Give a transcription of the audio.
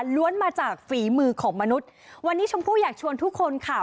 มาจากฝีมือของมนุษย์วันนี้ชมพู่อยากชวนทุกคนค่ะ